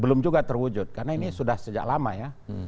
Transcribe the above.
belum juga terwujud karena ini sudah sejak lama ya